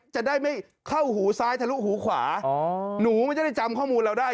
จะได้ไม่เข้าหูซ้ายทะลุหูขวาหนูมันจะได้จำข้อมูลเราได้